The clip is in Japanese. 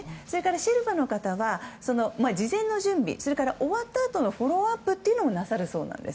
シェルパの人たちは事前の準備の他に終わったあとのフォローアップもなさるそうです。